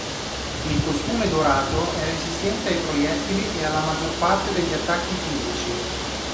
Il costume dorato è resistente ai proiettili e alla maggior parte degli attacchi fisici.